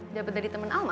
dapet dari temen alma